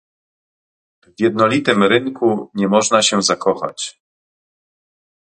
"W jednolitym rynku nie można się zakochać"